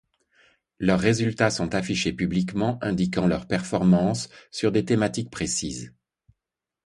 Leurs résultats sont affichés publiquement, indiquant leurs performances sur des thématiques précises.